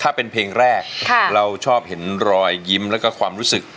ถ้าเป็นเพลงแรกเราชอบเห็นรอยยิ้มแล้วก็ความรู้สึก